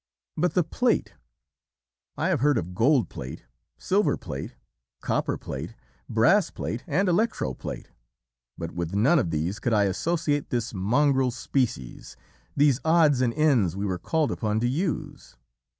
"But the plate! I have heard of gold plate, silver plate, copper plate, brass plate, and electro plate, but with none of these could I associate this mongrel species, these odds and ends we were called upon to use.